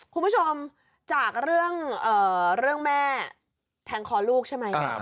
คุณผู้ชมจากเรื่องแม่แทงคอลูกใช่ไหม